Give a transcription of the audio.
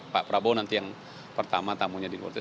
pak prabowo nanti yang pertama tamunya di golkar